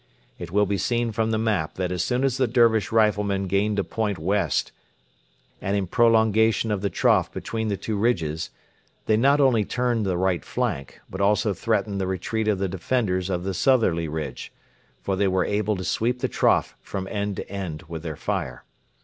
It will be seen from the map that as soon as the Dervish riflemen gained a point west and in prolongation of the trough between the two ridges, they not only turned the right flank, but also threatened the retreat of the defenders of the southerly ridge; for they were able to sweep the trough from end to end with their fire.